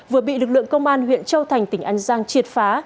vừa bị lực lượng công an huyện châu thành tỉnh an giang triệt phá